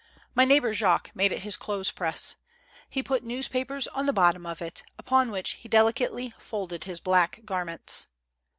My neighbor Jacques made it his clothes press ; he put newspapers on the bottom of it, upon which he delicately folded his black garments.